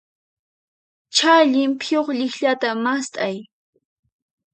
Chay llimp'iyuq llikllata mast'ay.